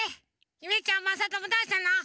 ゆめちゃんまさともどうしたの？